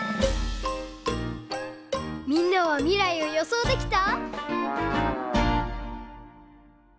みんなは未来をよそうできた？